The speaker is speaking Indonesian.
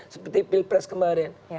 seperti pilpres kemarin